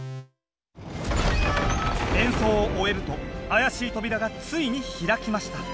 演奏を終えるとあやしい扉がついに開きました。